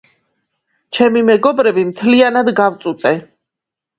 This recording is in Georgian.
ჩემი მეოგბრები მთლიანად გავწუწე